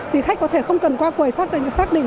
thì khách có thể không cần qua quầy xác định